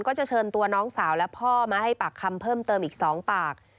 ก็จะเชิญตัวน้องสาวและพ่อมาให้ปากคำเพิ่มเติมอีก๒ปาก